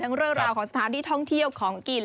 เรื่องราวของสถานที่ท่องเที่ยวของกิน